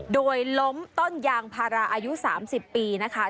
โดยล้มต้นยางพาราอายุ๓๐ปีนะคะ